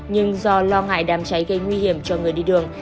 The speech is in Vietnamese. nhưng do lo ngại đám cháy gây nguy hiểm cho người đi đường